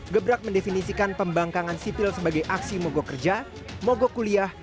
gebrak mendefinisikan pembangkangan sipil sebagai aksi mogok kerja mogok kuliah